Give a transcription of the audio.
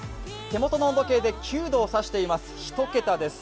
手元の温度計で９度を指しています一桁です。